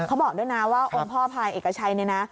เขาบอกด้วยนะว่าองค์พ่อพายเอกชัยเนี่ยนะ